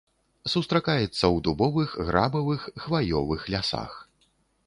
Сустракаецца ў дубовых, грабавых, хваёвых лясах.